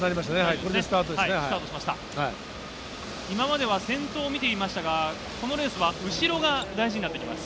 今までは先頭を見ていましたがこのレースは後ろが大事になってきます。